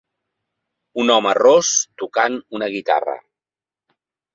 Un home ros tocant una guitarra.